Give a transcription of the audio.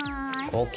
ＯＫ。